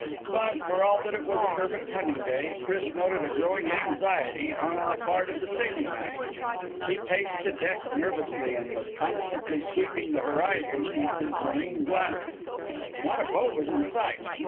But for all that it was a perfect hunting day, Chris noted a growing anxiety on the part of the sailing master. He paced the deck nervously, and was constantly sweeping the horizon with his marine glasses. Not a boat was in sight.